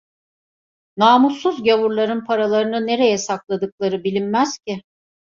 Namussuz gavurların paralarını nereye sakladıkları bilinmez ki…